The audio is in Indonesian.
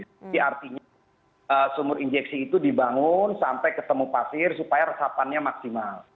jadi artinya sumur injeksi itu dibangun sampai ketemu pasir supaya resapannya maksimal